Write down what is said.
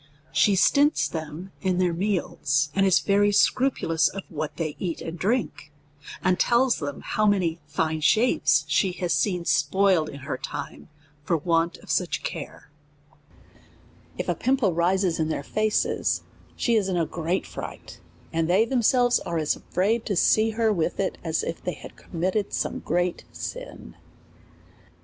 She stints them in their meals, and is very scrupu lous of what they eat and drink, and tells them how many fine shapes she has seen spoiled in her time for want of such care; if a pimple risi^s in their faces, she is in a great fright, and they themselves are as afraid to see her with it, as if they had committed some great sin.